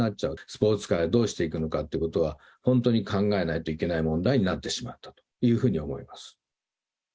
スポーツ界をどうしていくのかっていうことは、本当に考えないといけない問題になってしまったというふうに思い